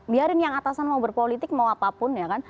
biarin yang atasan mau berpolitik mau apapun ya kan